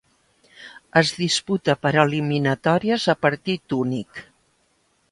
Es disputa per eliminatòries a partit únic.